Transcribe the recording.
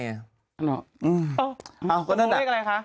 เอือ